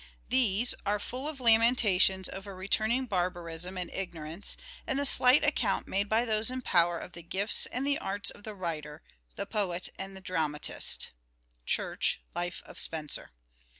These "are full of lamentations over returning barbarism and ignorance, and the slight account made by those in power of the gifts and the arts of the writer, the poet and the dramatist " (Church : Life of Spenser).